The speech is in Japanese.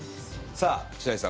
さあ白石さん